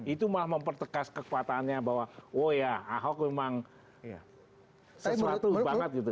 itu malah mempertekas kekuatannya bahwa oh ya ahok memang sesuatu banget gitu